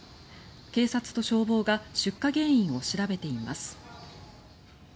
警察と消防が出火原因を調べています。